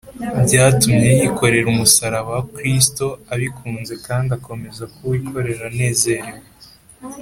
byatumye yikorera umusaraba wa kristo abikunze, kandi akomeza kuwikorera anezerewe